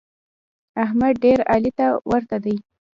احمد ډېر علي ته ورته دی.